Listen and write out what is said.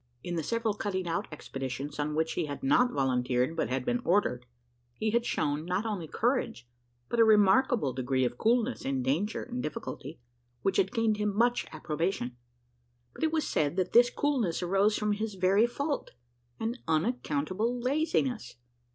In the several cutting out expeditions, on which he had not volunteered but had been ordered, he had shown, not only courage, but a remarkable degree of coolness in danger and difficulty, which had gained him much approbation; but it was said, that this coolness arose from his very fault an unaccountable laziness.